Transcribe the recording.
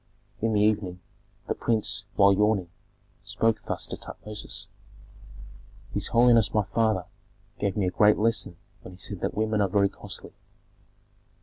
In the evening the prince, while yawning, spoke thus to Tutmosis, "His holiness my father gave me a great lesson when he said that women are very costly."